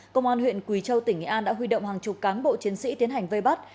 công an huyện quỳ châu tỉnh nghệ an đã huy động hàng chục cán bộ chiến sĩ tiến hành vây bắt